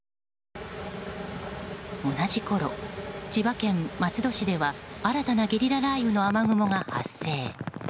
同じころ、千葉県松戸市では新たなゲリラ雷雨の雨雲が発生。